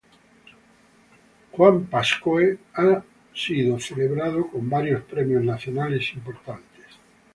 Juan Pascoe ha sido celebrado con varios premios nacionales importantes.